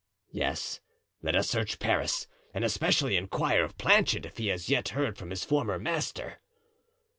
"Yes, let us search Paris and especially inquire of Planchet if he has yet heard from his former master."